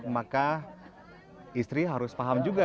maka istri harus paham juga